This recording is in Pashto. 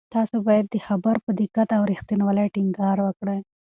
تاسو باید د خبر په دقت او رښتینولۍ ټینګار وکړئ.